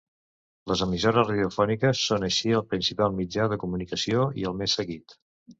Les emissores radiofòniques són així el principal mitjà de comunicació i el més seguit.